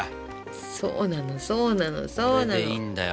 そうなのそうなのそうなの！